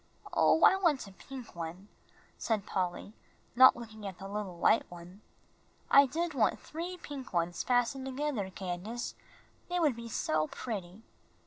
"Oh, I want a pink one," said Polly, not looking at the little white one. "I did want three pink ones fastened together, Candace, they would be so pretty."